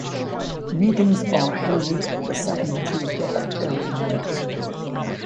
Meetings are held the second Tuesday of every month.